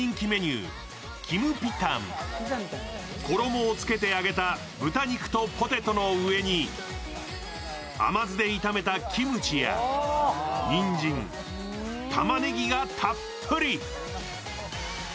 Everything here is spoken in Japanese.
衣をつけて揚げた豚肉とポテトの上に、甘酢で炒めたキムチやにんじん、玉ねぎがたっぷり。